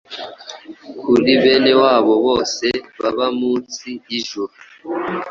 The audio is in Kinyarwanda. Kuri bene wabo bose baba munsi yijuru